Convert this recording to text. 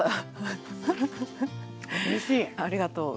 ありがとう。